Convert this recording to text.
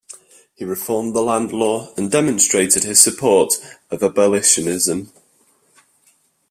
He reformed the land law and demonstrated his support of Abolitionism.